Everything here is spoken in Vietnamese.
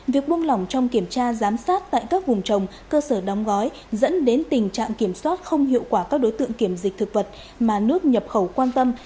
việc buông lỏng trong kiểm tra giám sát tại các vùng trồng cơ sở đóng gói dẫn đến tình trạng kiểm soát không hiệu quả các đối tượng kiểm dịch thực vật mà nước nhập khẩu quan tâm